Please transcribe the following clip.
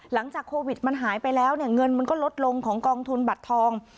หลังจากโควิดมันหายไปแล้วเนี่ยเงินมันก็ลดลงของกองทุนบัตรทอง